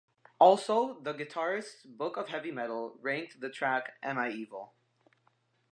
Also, the "Guitarists' Book of Heavy Metal" ranked the track "Am I Evil?